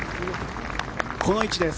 この位置です。